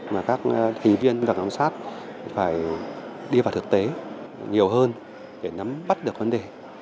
mà các thí viên và giám sát phải đi vào thực tế nhiều hơn để nắm bắt được vấn đề